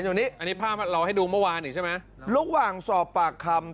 อันนี้รูปแบบว่าให้ดูเมื่อวานชอบเมื่อไหร่ไหม